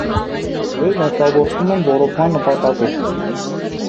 Ջրերն օգտագործում ենոռոոգման նպատակով։